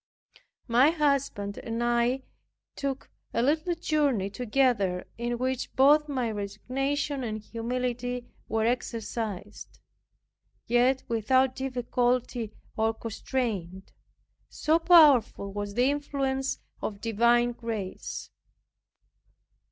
My husband and I took a little journey together, in which both my resignation and humility were exercised, yet without difficulty or constraint, so powerful was the influence of divine grace.